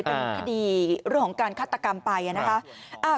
เป็นคดีเรื่องของการฆาตกรรมไปนะคะ